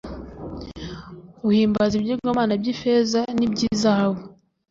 uhimbaza ibigirwamana by ifeza n iby izahabu